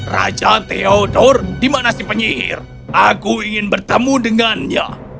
raja theodor dimana si penyihir aku ingin bertemu dengannya